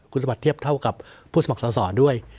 คุณสมบัติเทียบเท่ากับผู้สมัครสอสอด้วย